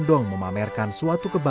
dalam kurang terlalu serentak berbeda